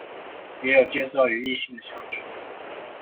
也有介紹與異性的相處